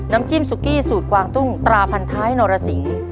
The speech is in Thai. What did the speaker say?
จิ้มซุกี้สูตรกวางตุ้งตราพันท้ายนรสิง